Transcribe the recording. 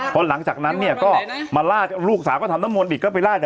พอหลังจากนั้นเนี่ยก็มาลาดลูกสาวก็ทำน้ำมนต์อีกก็ไปลาด